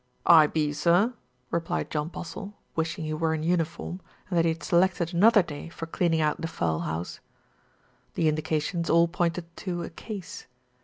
"\ "I be, sir," replied John Postle, wishing he were in uniform, and that he had selected an other day for cleaning out the fowl house. The indica tions all pointed to "a case."